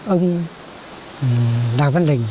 ông đào văn đình